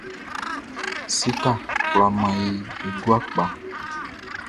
Séka kwla man e i gua kpa.